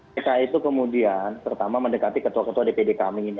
pks itu kemudian pertama mendekati ketua ketua dpd kami ini